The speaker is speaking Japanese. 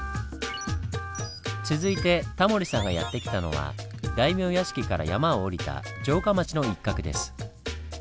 続いてタモリさんがやって来たのは大名屋敷から山を下りた城下町の一角です。